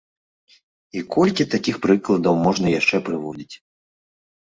І колькі такіх прыкладаў можна яшчэ прыводзіць.